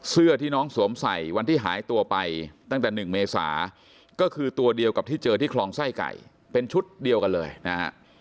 เสื้อที่น้องสวมใส่วันที่หายตัวไปตั้งแต่๑เมษาก็คือตัวเดียวกับที่เจอที่คลองไส้ไก่เป็นชุดเดียวกันเลยนะฮะ